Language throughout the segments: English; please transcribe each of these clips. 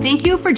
Thank you for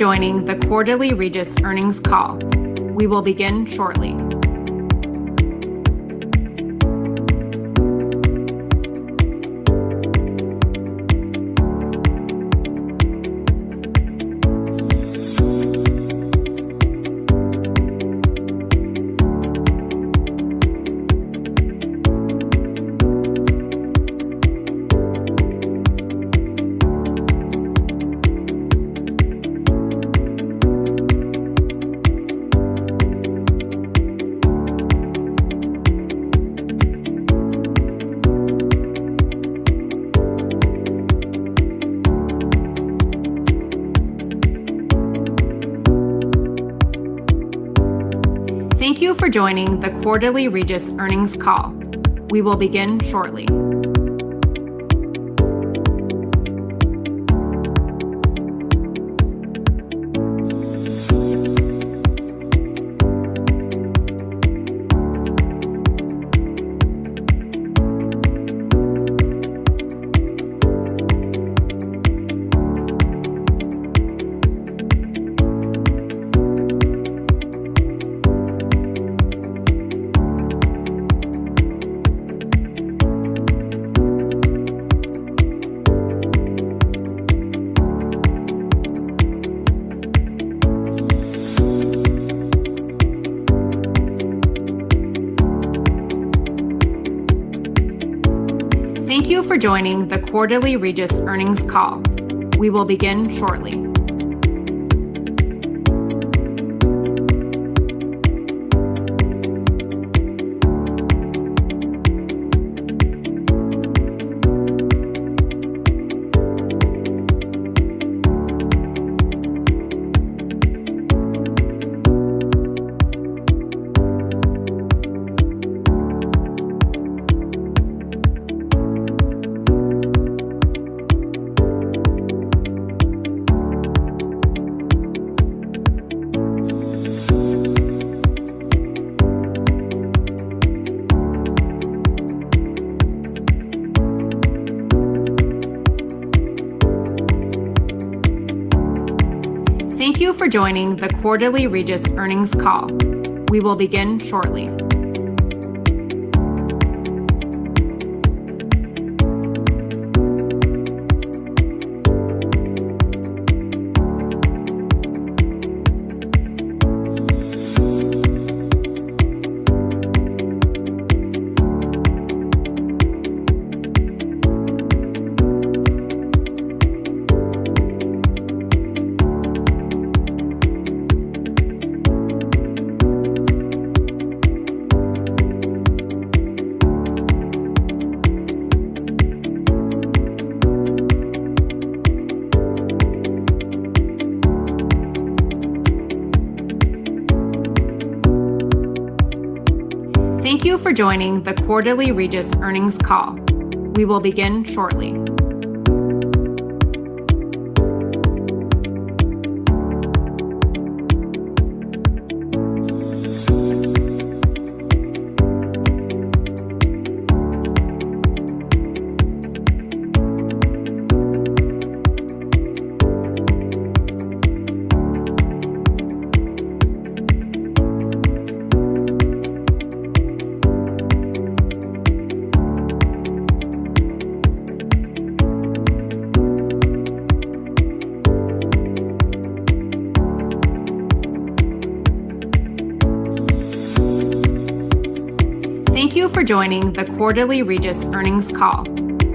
joining The Quarterly Regis Earnings Call.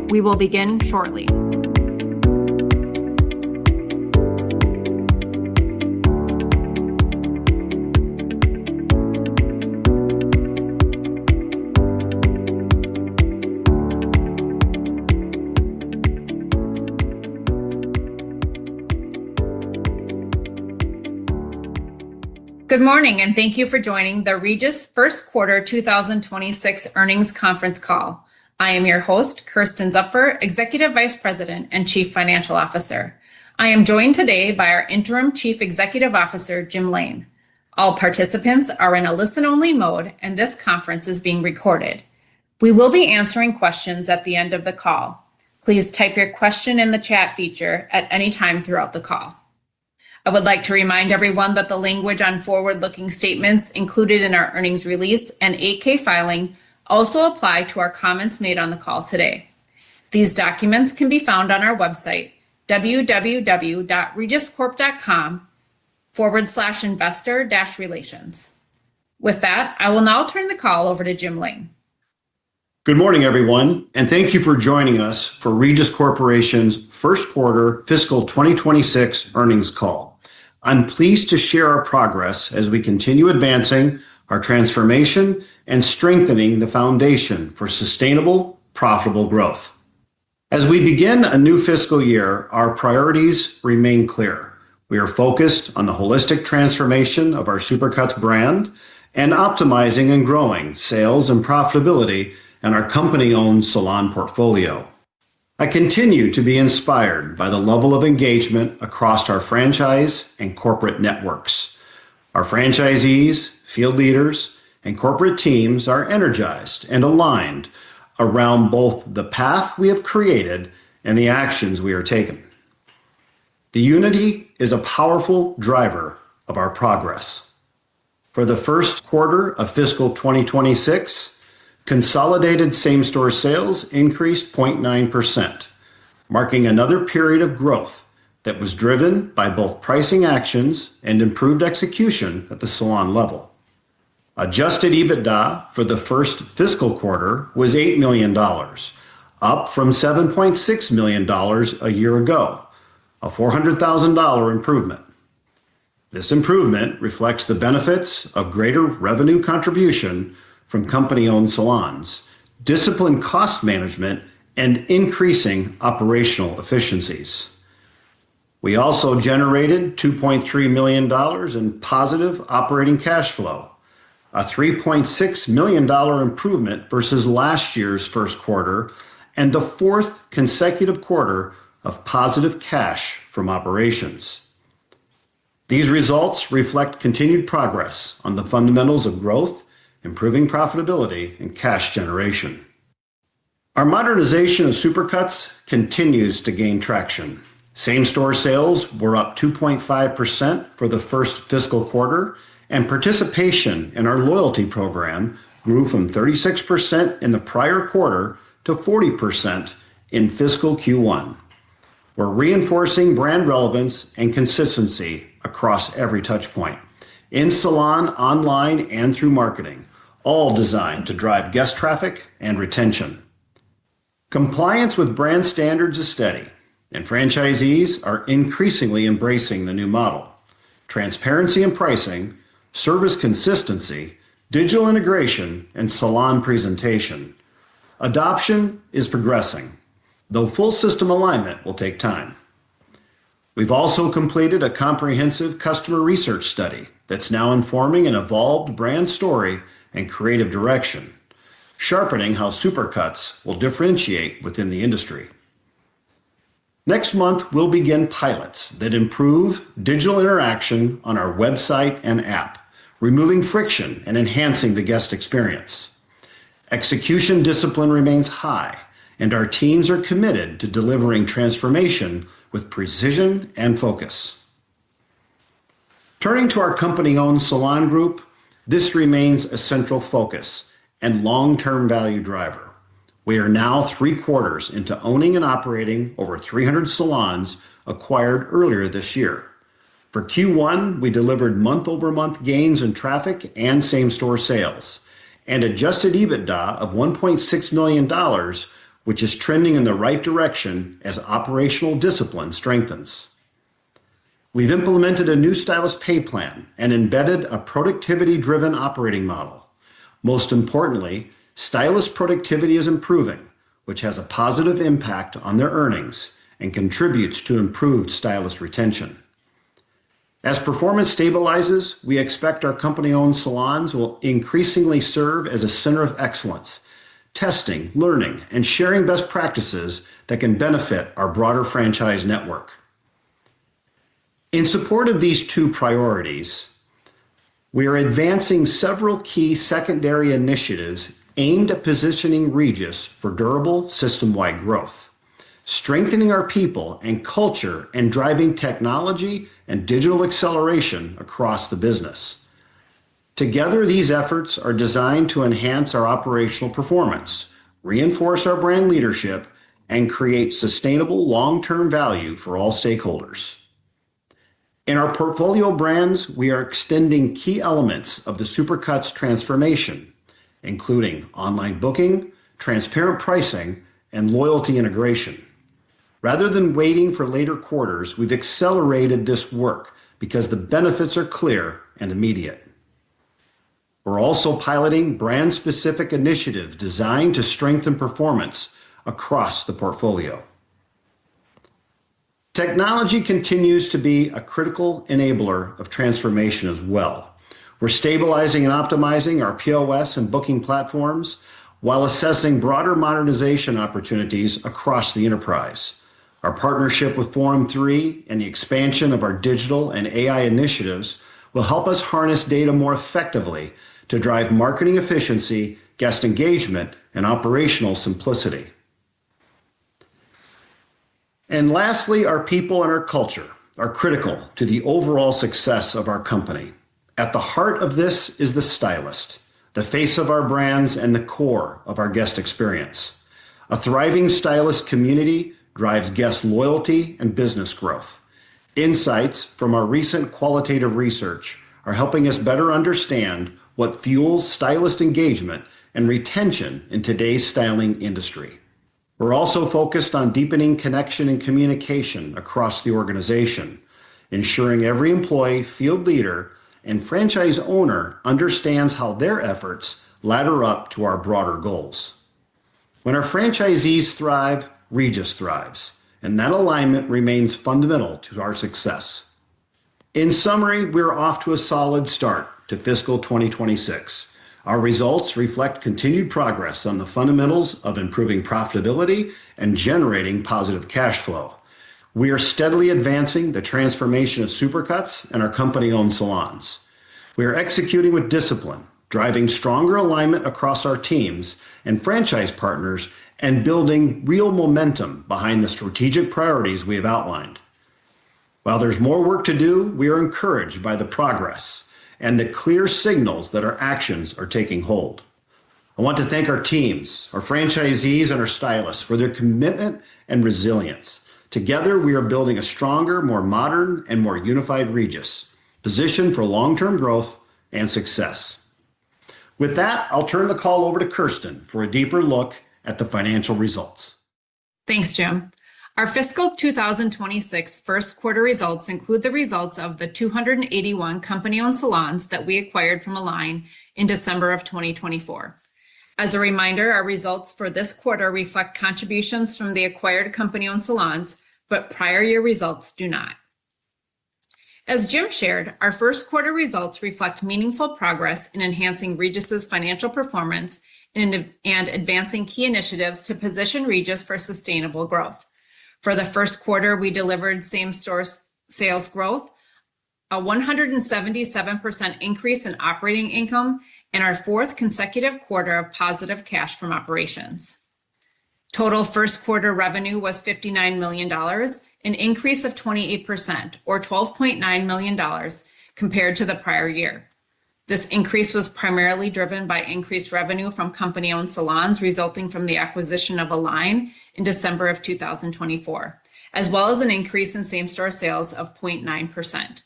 We will begin shortly. Good morning, and thank you for joining The Regis First Quarter 2026 Earnings Conference Call. I am your host, Kersten Zupfer, Executive Vice President and Chief Financial Officer. I am joined today by our Interim Chief Executive Officer, Jim Lain. All participants are in a listen-only mode, and this conference is being recorded. We will be answering questions at the end of the call. Please type your question in the chat feature at any time throughout the call. I would like to remind everyone that the language on forward-looking statements included in our earnings release and AK filing also apply to our comments made on the call today. These documents can be found on our website, www.regiscorp.com/investor-relations. With that, I will now turn the call over to Jim Lain. Good morning, everyone, and thank you for joining us for Regis Corporation's First Quarter Fiscal 2026 Earnings Call. I'm pleased to share our progress as we continue advancing our transformation and strengthening the foundation for sustainable, profitable growth. As we begin a new fiscal year, our priorities remain clear. We are focused on the holistic transformation of our Supercuts brand and optimizing and growing sales and profitability in our company-owned salon portfolio. I continue to be inspired by the level of engagement across our franchise and corporate networks. Our franchisees, field leaders, and corporate teams are energized and aligned around both the path we have created and the actions we are taking. The unity is a powerful driver of our progress. For the First Quarter of fiscal 2026, consolidated same-store sales increased 0.9%, marking another period of growth that was driven by both pricing actions and improved execution at the salon level. Adjusted EBITDA for the first fiscal quarter was $8 million, up from $7.6 million a year ago, a $400,000 improvement. This improvement reflects the benefits of greater revenue contribution from company-owned salons, disciplined cost management, and increasing operational efficiencies. We also generated $2.3 million in positive Operating Cash Flow, a $3.6 million improvement versus last year's First Quarter, and the fourth consecutive quarter of positive Cash From Operations. These results reflect continued progress on the fundamentals of growth, improving profitability, and cash generation. Our modernization of Supercuts continues to gain traction. Same-store sales were up 2.5% for the first fiscal quarter, and participation in our loyalty program grew from 36% in the prior quarter to 40% in Fiscal Q1. We're reinforcing brand relevance and consistency across every touchpoint, in-salon, online, and through marketing, all designed to drive guest traffic and retention. Compliance with brand standards is steady, and franchisees are increasingly embracing the new model. Transparency in pricing, service consistency, digital integration, and salon presentation adoption is progressing, though full system alignment will take time. We've also completed a comprehensive customer research study that's now informing an evolved brand story and creative direction, sharpening how Supercuts will differentiate within the industry. Next month, we'll begin pilots that improve digital interaction on our website and app, removing friction and enhancing the guest experience. Execution discipline remains high, and our teams are committed to delivering transformation with precision and focus. Turning to our company-owned salon group, this remains a central focus and long-term value driver. We are now three quarters into owning and operating over 300 salons acquired earlier this year. For Q1, we delivered month-over-month gains in traffic and same-store sales and Adjusted EBITDA of $1.6 million, which is trending in the right direction as operational discipline strengthens. We've implemented a new stylist pay plan and embedded a productivity-driven operating model. Most importantly, stylist productivity is improving, which has a positive impact on their earnings and contributes to improved stylist retention. As performance stabilizes, we expect our company-owned salons will increasingly serve as a center of excellence, testing, learning, and sharing best practices that can benefit our broader franchise network. In support of these two priorities, we are advancing several key secondary initiatives aimed at positioning Regis for durable system-wide growth, strengthening our people and culture, and driving technology and digital acceleration across the business. Together, these efforts are designed to enhance our operational performance, reinforce our brand leadership, and create sustainable long-term value for all stakeholders. In our portfolio brands, we are extending key elements of the Supercuts transformation, including online booking, transparent pricing, and loyalty integration. Rather than waiting for later quarters, we've accelerated this work because the benefits are clear and immediate. We're also piloting brand-specific initiatives designed to strengthen performance across the portfolio. Technology continues to be a critical enabler of transformation as well. We're stabilizing and optimizing our POS and booking platforms while assessing broader modernization opportunities across the enterprise. Our partnership with Forum 3 and the expansion of our digital and AI initiatives will help us harness data more effectively to drive marketing efficiency, guest engagement, and operational simplicity. Lastly, our people and our culture are critical to the overall success of our company. At the heart of this is the stylist, the face of our brands, and the core of our guest experience. A thriving stylist community drives guest loyalty and business growth. Insights from our recent qualitative research are helping us better understand what fuels stylist engagement and retention in today's styling industry. We're also focused on deepening connection and communication across the organization, ensuring every employee, field leader, and franchise owner understands how their efforts ladder up to our broader goals. When our franchisees thrive, Regis thrives, and that alignment remains fundamental to our success. In summary, we're off to a solid start to fiscal 2026. Our results reflect continued progress on the fundamentals of improving profitability and generating positive Cash Flow. We are steadily advancing the transformation of Supercuts and our company-owned salons. We are executing with discipline, driving stronger alignment across our teams and franchise partners, and building real momentum behind the strategic priorities we have outlined. While there's more work to do, we are encouraged by the progress and the clear signals that our actions are taking hold. I want to thank our teams, our franchisees, and our stylists for their commitment and resilience. Together, we are building a stronger, more modern, and more unified Regis, positioned for long-term growth and success. With that, I'll turn the call over to Kirsten for a deeper look at the financial results. Thanks, Jim. Our fiscal 2026 First Quarter results include the results of the 281 company-owned salons that we acquired from Align in December of 2024. As a reminder, our results for this quarter reflect contributions from the acquired company-owned salons, but prior year results do not. As Jim shared, our First Quarter results reflect meaningful progress in enhancing Regis's financial performance and advancing key initiatives to position Regis for sustainable growth. For the First Quarter, we delivered same-store sales growth, a 177% increase in Operating Income, and our fourth consecutive quarter of positive Cash From Operations. Total First Quarter Revenue was $59 million, an increase of 28%, or $12.9 million compared to the prior year. This increase was primarily driven by increased revenue from company-owned salons resulting from the acquisition of Align in December of 2024, as well as an increase in same-store sales of 0.9%.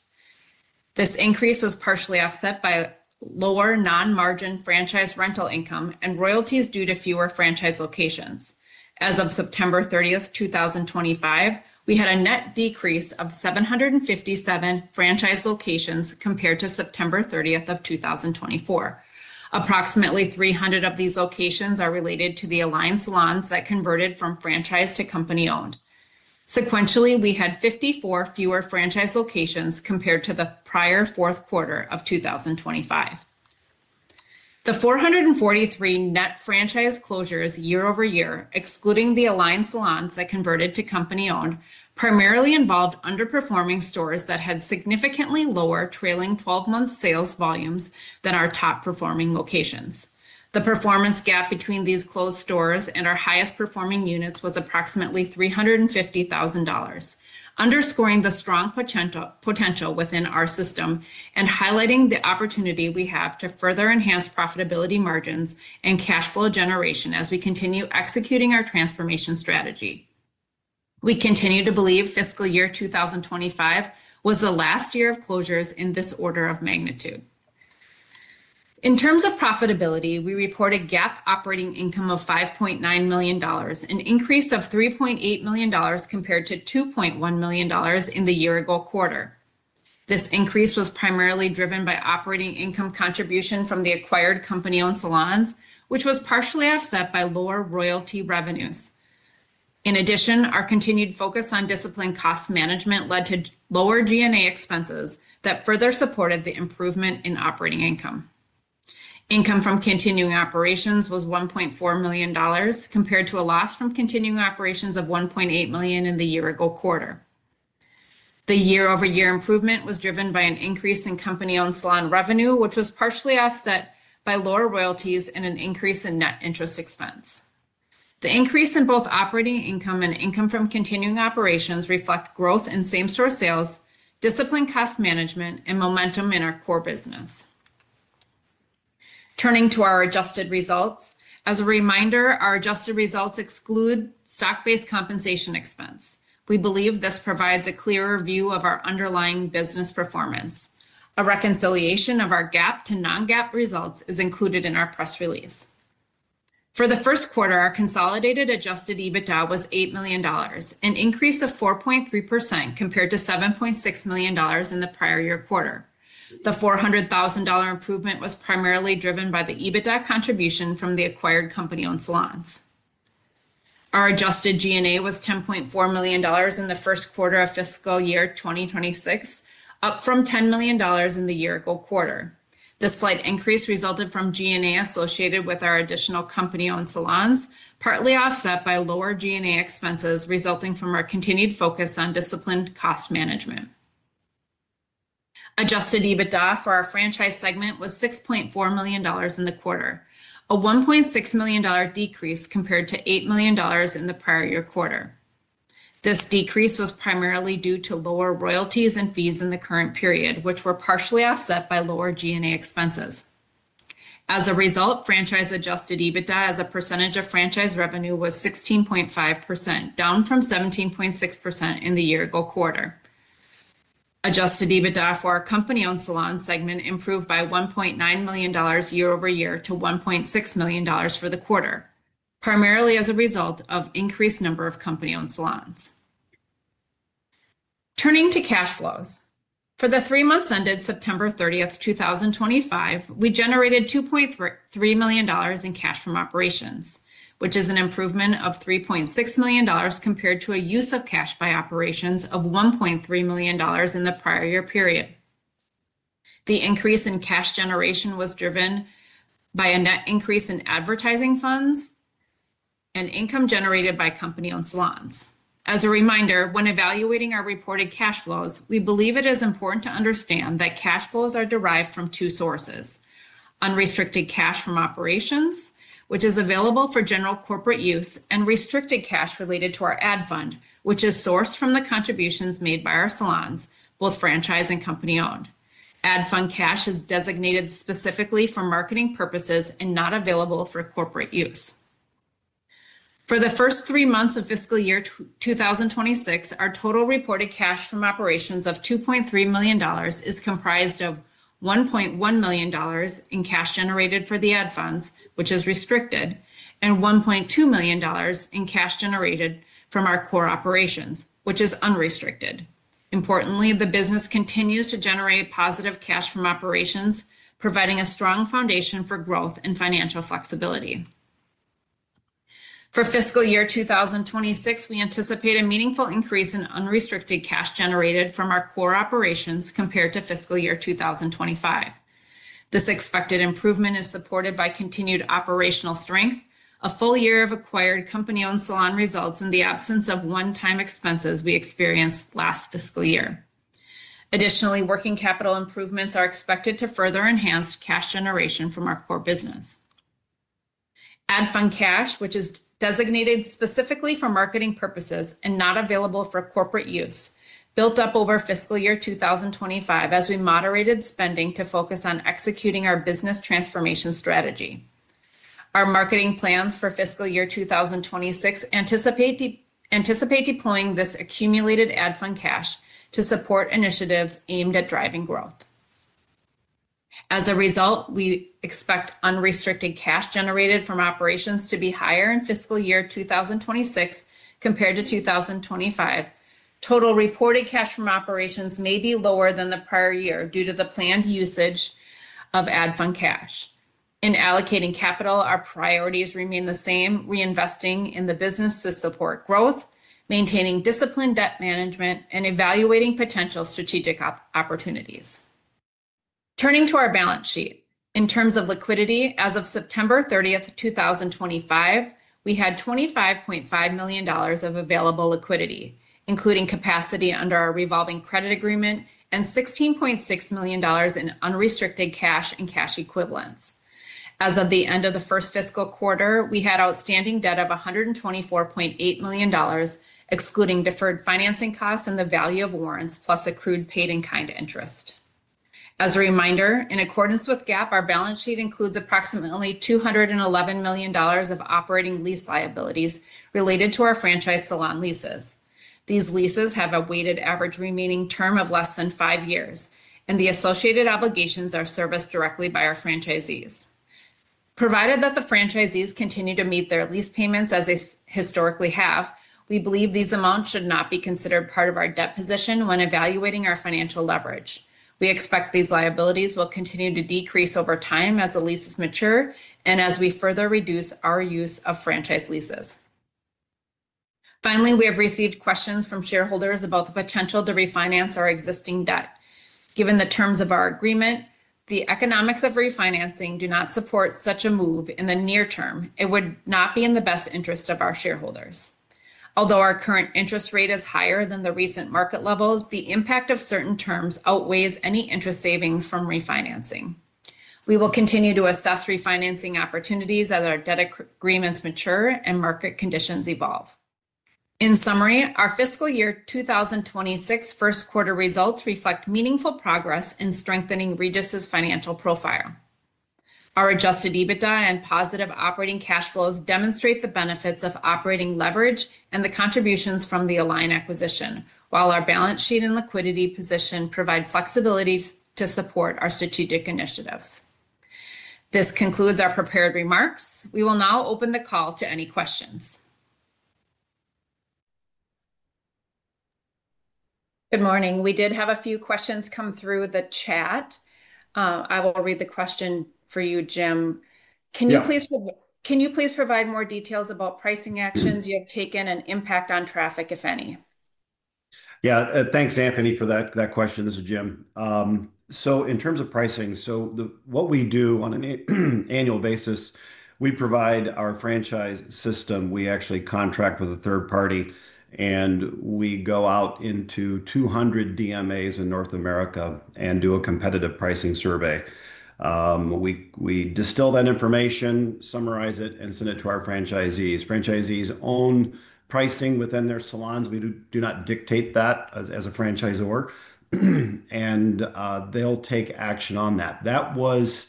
This increase was partially offset by lower non-margin franchise rental income and royalties due to fewer franchise locations. As of September 30th, 2025, we had a net decrease of 757 franchise locations compared to September 30th, 2024. Approximately 300 of these locations are related to the Align salons that converted from franchise to company-owned. Sequentially, we had 54 fewer franchise locations compared to the prior fourth quarter of 2025. The 443 net franchise closures year over year, excluding the Align salons that converted to company-owned, primarily involved underperforming stores that had significantly lower Trailing 12-Month Sales Volumes than our top-performing locations. The performance gap between these closed stores and our highest-performing units was approximately $350,000, underscoring the strong potential within our system and highlighting the opportunity we have to further enhance Profitability Margins and Cash Flow Generation as we continue executing our transformation strategy. We continue to believe fiscal year 2025 was the last year of closures in this order of magnitude. In terms of profitability, we report a GAAP Operating Income of $5.9 million, an increase of $3.8 million compared to $2.1 million in the year-ago quarter. This increase was primarily driven by operating income contribution from the acquired company-owned salons, which was partially offset by lower Royalty Revenues. In addition, our continued focus on disciplined cost management led to lower G&A Expenses that further supported the improvement in operating income. Income from continuing operations was $1.4 million compared to a loss from continuing operations of $1.8 million in the year-ago quarter. The year-over-year improvement was driven by an increase in company-owned salon revenue, which was partially offset by lower royalties and an increase in Net Interest Expense. The increase in both operating income and income from continuing operations reflects growth in same-store sales, disciplined cost management, and momentum in our core business. Turning to our Adjusted Results, as a reminder, our Adjusted Results exclude stock-based compensation expense. We believe this provides a clearer view of our underlying business performance. A reconciliation of our GAAP to non-GAAP results is included in our press release. For the First Quarter, our consolidated Adjusted EBITDA was $8 million, an increase of 4.3% compared to $7.6 million in the prior year quarter. The $400,000 improvement was primarily driven by the EBITDA contribution from the acquired company-owned salons. Our Adjusted G&A was $10.4 million in the First Quarter of fiscal year 2026, up from $10 million in the year-ago quarter. This slight increase resulted from G&A associated with our additional company-owned salons, partly offset by lower G&A expenses resulting from our continued focus on disciplined cost management. Adjusted EBITDA for our franchise segment was $6.4 million in the quarter, a $1.6 million decrease compared to $8 million in the prior year quarter. This decrease was primarily due to lower royalties and fees in the current period, which were partially offset by lower G&A expenses. As a result, Franchise Adjusted EBITDA as a percentage of Franchise Revenue was 16.5%, down from 17.6% in the year-ago quarter. Adjusted EBITDA for our Company-Owned Salon Segment improved by $1.9 million year-over-year to $1.6 million for the quarter, primarily as a result of an increased number of company-owned salons. Turning to Cash Flows. For the three months ended September 30th, 2025, we generated $2.3 million in Cash From Operations, which is an improvement of $3.6 million compared to a use of cash by operations of $1.3 million in the prior year period. The increase in cash generation was driven by a net increase in advertising funds and income generated by company-owned salons. As a reminder, when evaluating our reported Cash Flows, we believe it is important to understand that Cash Flows are derived from two sources: Unrestricted Cash From Operations, which is available for general corporate use, and Restricted Cash related to our Ad Fund, which is sourced from the contributions made by our salons, both franchise and company-owned. Ad fund cash is designated specifically for marketing purposes and not available for corporate use. For the first three months of fiscal year 2026, our total reported Cash From Operations of $2.3 million is comprised of $1.1 million in cash generated for the Ad Funds, which is restricted, and $1.2 million in cash generated from our Core Operations, which is unrestricted. Importantly, the business continues to generate positive Cash From Operations, providing a strong foundation for growth and financial flexibility. For fiscal year 2026, we anticipate a meaningful increase in unrestricted cash generated from our Core Operations compared to fiscal year 2025. This expected improvement is supported by continued operational strength, a full year of acquired company-owned salon results, and the absence of one-time expenses we experienced last fiscal year. Additionally, Working Capital improvements are expected to further enhance cash generation from our core business. Ad Fund cash, which is designated specifically for marketing purposes and not available for corporate use, built up over fiscal year 2025 as we moderated spending to focus on executing our business transformation strategy. Our marketing plans for fiscal year 2026 anticipate deploying this accumulated Ad Fund Cash to support initiatives aimed at driving growth. As a result, we expect Unrestricted Cash Generated From Operations to be higher in fiscal year 2026 compared to 2025. Total reported Cash From Operations may be lower than the prior year due to the planned usage of Ad Fund Cash. In Allocating Capital, our priorities remain the same: reinvesting in the business to support growth, maintaining disciplined Debt Management, and evaluating potential strategic opportunities. Turning to our Balance Sheet, in terms of Liquidity, as of September 30th, 2025, we had $25.5 million of available Liquidity, including capacity under our Revolving Credit Agreement and $16.6 million in Unrestricted Cash and Cash Equivalents. As of the end of the first fiscal quarter, we had Outstanding Debt of $124.8 million, excluding deferred financing costs and the value of warrants, plus accrued paid in kind interest. As a reminder, in accordance with GAAP, our Balance Sheet includes approximately $211 million of Operating Lease Liabilities related to our franchise salon leases. These leases have a weighted average remaining term of less than five years, and the associated obligations are serviced directly by our franchisees. Provided that the franchisees continue to meet their lease payments as they historically have, we believe these amounts should not be considered part of our debt position when evaluating our Financial Leverage. We expect these liabilities will continue to decrease over time as the leases mature and as we further reduce our use of franchise leases. Finally, we have received questions from shareholders about the potential to refinance our existing Debt. Given the terms of our agreement, the economics of refinancing do not support such a move in the near term. It would not be in the best interest of our shareholders. Although our current Interest Rate is higher than the recent market levels, the impact of certain terms outweighs any interest savings from refinancing. We will continue to assess refinancing opportunities as our Debt Agreements mature and market conditions evolve. In summary, our fiscal year 2026 First Quarter results reflect meaningful progress in strengthening Regis's Financial Profile. Our Adjusted EBITDA and positive Operating Cash Flows demonstrate the benefits of operating leverage and the contributions from the Align acquisition, while our Balance Sheet and Liquidity Position provide flexibility to support our strategic initiatives. This concludes our prepared remarks. We will now open the call to any questions. Good morning. We did have a few questions come through the chat. I will read the question for you, Jim. Can you please provide more details about pricing actions you have taken and impact on traffic, if any? Yeah. Thanks, Anthony, for that question. This is Jim. In terms of pricing, what we do on an annual basis, we provide our franchise system. We actually contract with a third party, and we go out into 200 DMAs in North America and do a competitive pricing survey. We distill that information, summarize it, and send it to our franchisees. Franchisees own pricing within their salons. We do not dictate that as a franchisor, and they'll take action on that. That was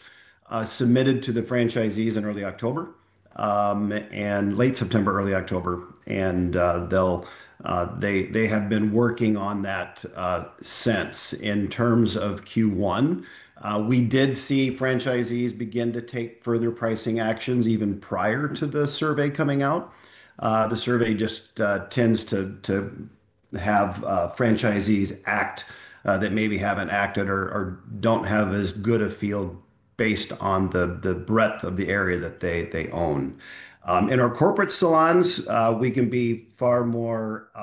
submitted to the franchisees in early October and late September, early October. They have been working on that since in terms of Q1. We did see franchisees begin to take further pricing actions even prior to the survey coming out. The survey just tends to have franchisees act that maybe haven't acted or don't have as good a feel based on the breadth of the area that they own. In our Corporate Salons, we can be far more—we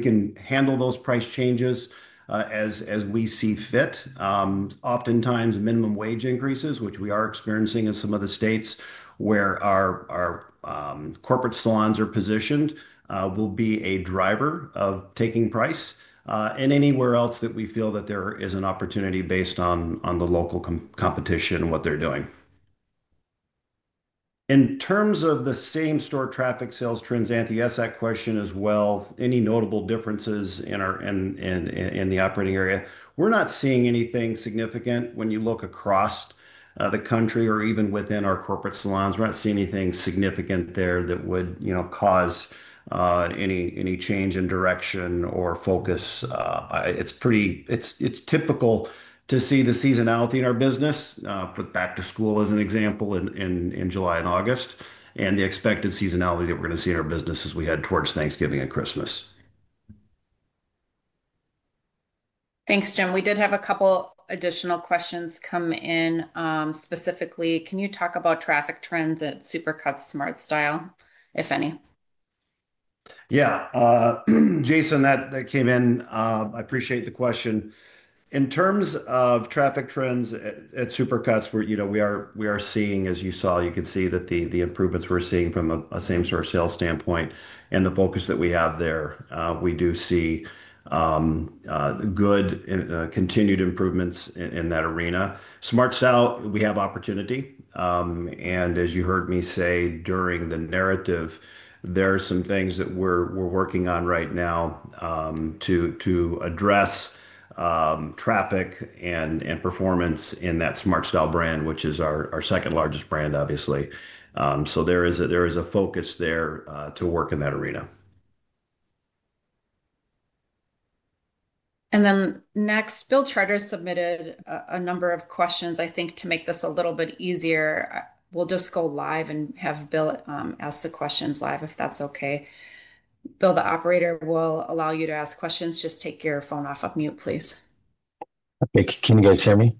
can handle those price changes as we see fit. Oftentimes, Minimum Wage increases, which we are experiencing in some of the states where our Corporate Salons are positioned, will be a driver of taking price and anywhere else that we feel that there is an opportunity based on the local competition and what they're doing. In terms of the Same-Store Traffic Sales Trends, Anthony, yes, that question as well. Any notable differences in the operating area? We're not seeing anything significant when you look across the country or even within our Corporate Salons. We're not seeing anything significant there that would cause any change in direction or focus. It's typical to see the seasonality in our business, put back to school as an example in July and August, and the expected seasonality that we're going to see in our business as we head towards Thanksgiving and Christmas. Thanks, Jim. We did have a couple additional questions come in. Specifically, can you talk about traffic trends at Supercuts, Smart Style, if any? Yeah. Jason, that came in. I appreciate the question. In terms of traffic trends at Supercuts, we are seeing, as you saw, you can see that the improvements we are seeing from a Same-Store Sales standpoint and the focus that we have there, we do see good continued improvements in that arena. Smart Style, we have opportunity. As you heard me say during the narrative, there are some things that we are working on right now to address traffic and performance in that Smart Style brand, which is our second largest brand, obviously. There is a focus there to work in that arena. Next, Bill Treder submitted a number of questions. I think to make this a little bit easier, we'll just go live and have Bill ask the questions live, if that's okay. Bill, the operator will allow you to ask questions. Just take your phone off of mute, please. Can you guys hear me?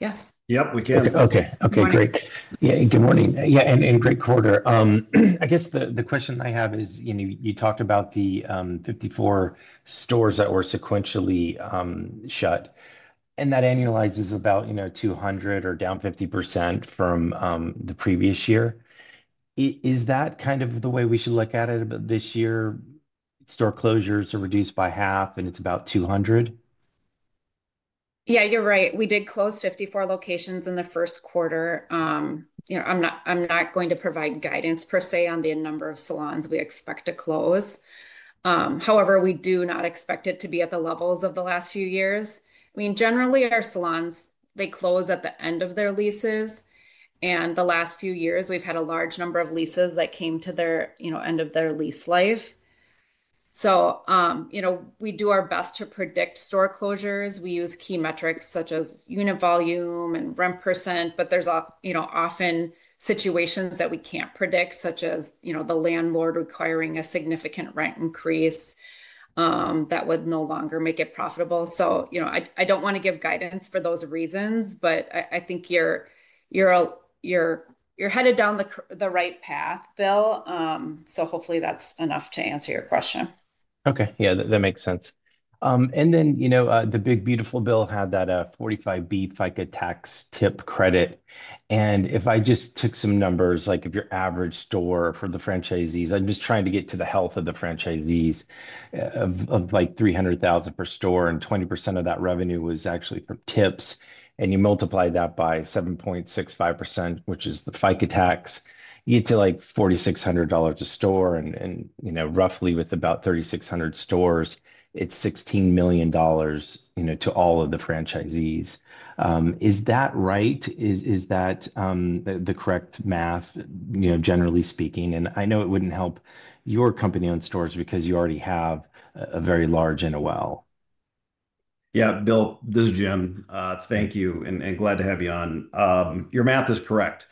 Yes. Yep, we can. Okay. Okay. Great. Good morning. Yeah. And great quarter. I guess the question I have is, you talked about the 54 stores that were sequentially shut, and that annualized is about 200 or down 50% from the previous year. Is that kind of the way we should look at it? This year, Store Closures are reduced by half, and it's about 200? Yeah, you're right. We did close 54 locations in the First Quarter. I'm not going to provide guidance per se on the number of salons we expect to close. However, we do not expect it to be at the levels of the last few years. I mean, generally, our salons, they close at the end of their leases. And the last few years, we've had a large number of leases that came to the end of their lease life. So we do our best to predict Store Closures. We use key metrics such as Unit Volume and rent percent, but there's often situations that we can't predict, such as the landlord requiring a significant rent increase that would no longer make it profitable. So I don't want to give guidance for those reasons, but I think you're headed down the right path, Bill. Hopefully, that's enough to answer your question. Okay. Yeah, that makes sense. Then the big, beautiful bill had that 45B FICA Tax tip credit. If I just took some numbers, like if your average store for the franchisees, I'm just trying to get to the health of the franchisees of like $300,000 per store, and 20% of that revenue was actually from tips, and you multiply that by 7.65%, which is the FICA Tax, you get to like $4,600 a store. Roughly, with about 3,600 stores, it's $16 million to all of the franchisees. Is that right? Is that the correct math, generally speaking? I know it wouldn't help your Company-Owned Stores because you already have a very large NOL. Yeah. Bill, this is Jim. Thank you. Glad to have you on. Your math is correct.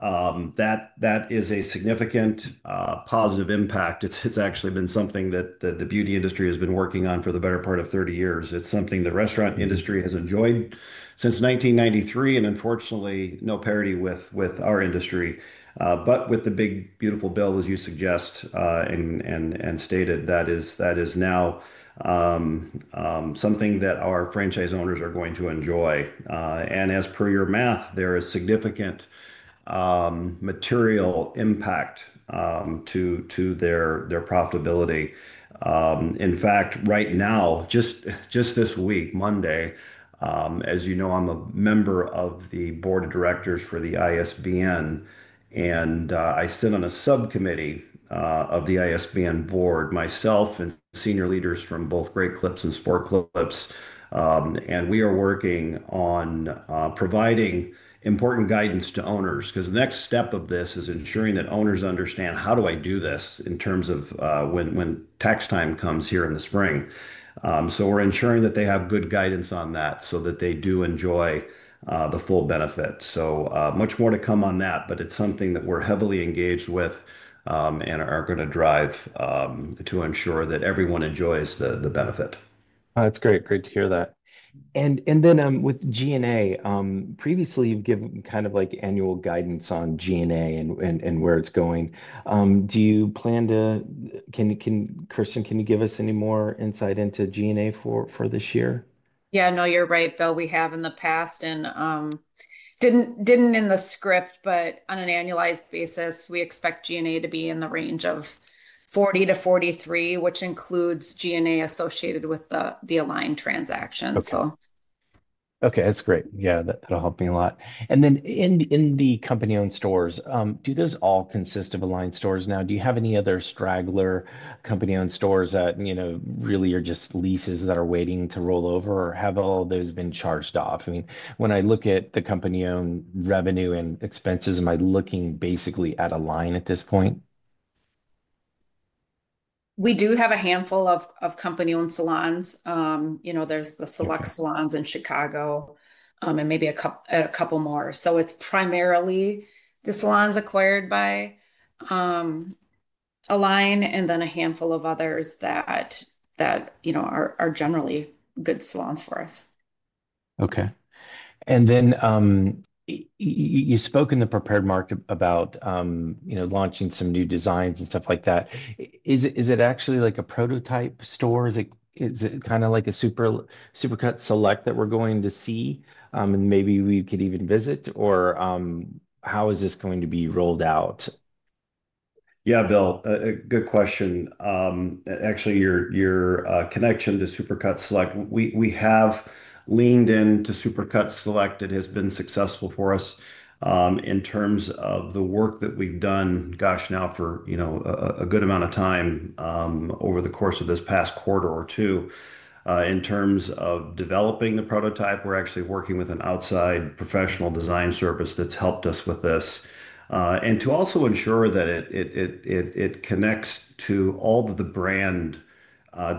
That is a significant positive impact. It's actually been something that the beauty industry has been working on for the better part of 30 years. It's something the restaurant industry has enjoyed since 1993, and unfortunately, no parity with our industry. With the big, beautiful bill, as you suggest and stated, that is now something that our franchise owners are going to enjoy. As per your math, there is significant material impact to their Profitability. In fact, right now, just this week, Monday, as you know, I'm a member of the Board of Directors for the ISBN. I sit on a subcommittee of the ISBN board myself and senior leaders from both Great Clips and Sport Clips. We are working on providing important guidance to owners because the next step of this is ensuring that owners understand, "How do I do this?" in terms of when tax time comes here in the spring. We are ensuring that they have good guidance on that so that they do enjoy the full benefit. Much more to come on that, but it is something that we are heavily engaged with and are going to drive to ensure that everyone enjoys the benefit. That's great. Great to hear that. With G&A, previously, you've given kind of like annual guidance on G&A and where it's going. Do you plan to—Kirsten, can you give us any more insight into G&A for this year? Yeah. No, you're right, Bill. We have in the past and didn't in the script, but on an Annualized Basis, we expect G&A to be in the range of $40 million-$43 million, which includes G&A associated with the Align Transaction, so. Okay. That's great. Yeah. That'll help me a lot. In the Company-Owned Stores, do those all consist of Align stores? Now, do you have any other straggler Company-Owned Stores that really are just leases that are waiting to roll over, or have all those been charged off? I mean, when I look at the Company-Owned Revenue and Expenses, am I looking basically at Align at this point? We do have a handful of Company-Owned Salons. There's the Select Salons in Chicago and maybe a couple more. So it's primarily the salons acquired by Align and then a handful of others that are generally good salons for us. Okay. You spoke in the prepared market about launching some new designs and stuff like that. Is it actually like a prototype store? Is it kind of like a Supercuts Select that we're going to see and maybe we could even visit? How is this going to be rolled out? Yeah, Bill. Good question. Actually, your connection to Supercuts Select, we have leaned into Supercuts Select. It has been successful for us in terms of the work that we've done, gosh, now for a good amount of time over the course of this past quarter or two. In terms of developing the Prototype, we're actually working with an outside professional design service that's helped us with this. To also ensure that it connects to all of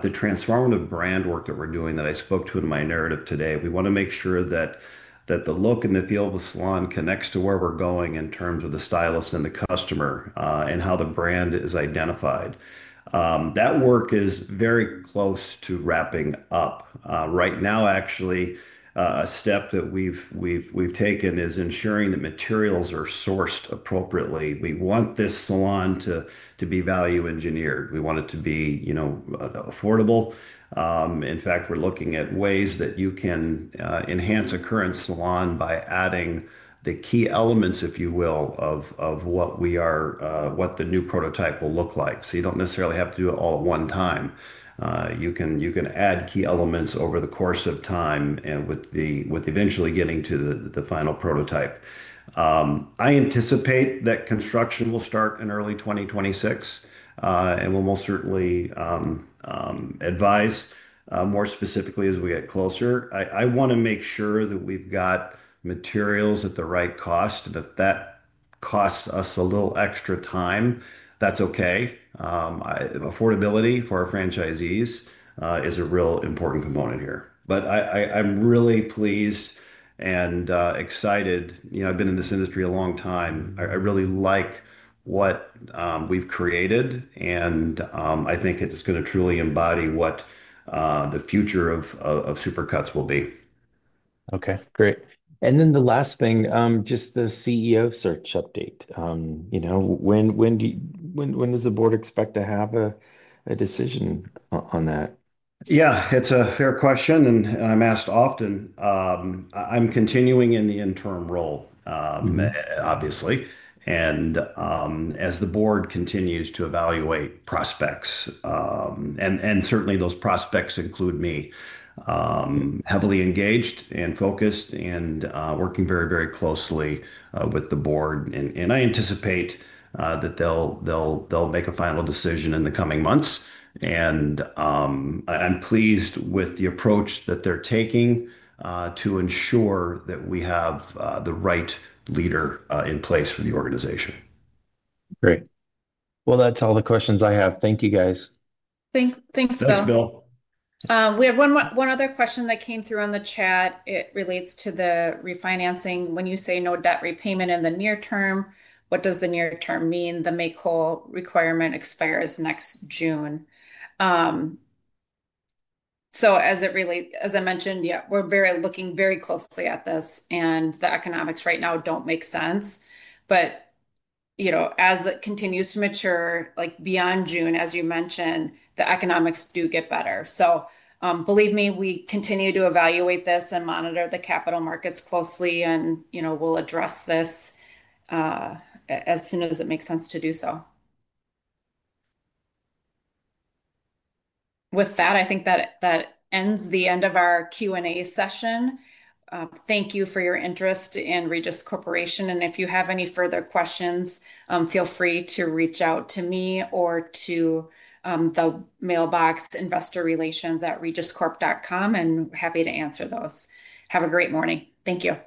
the transformative brand work that we're doing that I spoke to in my narrative today, we want to make sure that the look and the feel of the Salon connects to where we're going in terms of the stylist and the customer and how the brand is identified. That work is very close to wrapping up. Right now, actually, a step that we've taken is ensuring the materials are sourced appropriately. We want this Salon to be value engineered. We want it to be affordable. In fact, we're looking at ways that you can enhance a current Salon by adding the key elements, if you will, of what the new Prototype will look like. You don't necessarily have to do it all at one time. You can add key elements over the course of time, eventually getting to the final Prototype. I anticipate that construction will start in early 2026, and we'll most certainly advise more specifically as we get closer. I want to make sure that we've got materials at the right cost. If that costs us a little extra time, that's okay. Affordability for our Franchisees is a real important component here. I'm really pleased and excited. I've been in this industry a long time. I really like what we've created, and I think it's going to truly embody what the future of Supercuts will be. Okay. Great. And then the last thing, just the CEO search update. When does the Board expect to have a decision on that? Yeah. It's a fair question, and I'm asked often. I'm continuing in the Interim Role, obviously, as the Board continues to evaluate prospects. Certainly, those prospects include me, heavily engaged and focused and working very, very closely with the Board. I anticipate that they'll make a final decision in the coming months. I'm pleased with the approach that they're taking to ensure that we have the right leader in place for the organization. Great. That's all the questions I have. Thank you, guys. Thanks, Bill. Thanks, Bill. We have one other question that came through on the chat. It relates to the refinancing. When you say no Debt Repayment in the near term, what does the near term mean? The Make Whole requirement expires next June. As I mentioned, yeah, we're looking very closely at this, and the economics right now do not make sense. As it continues to mature beyond June, as you mentioned, the economics do get better. Believe me, we continue to evaluate this and monitor the Capital Markets closely, and we will address this as soon as it makes sense to do so. With that, I think that ends our Q&A Session. Thank you for your interest in Regis Corporation. If you have any further questions, feel free to reach out to me or to the mailbox, investorrelations@regiscorp.com, and happy to answer those. Have a great morning. Thank you.